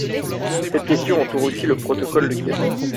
Cette question entoure aussi le protocole de Kyoto.